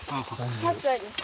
８歳です。